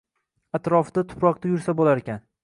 atrofida tuproqda yursa bo‘larkan